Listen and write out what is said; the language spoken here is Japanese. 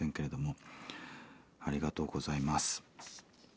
ありがとうございます。